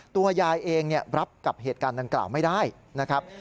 ตัวยายเองรับกับเหตุการณ์ดังกล่าวไม่ได้นะครับ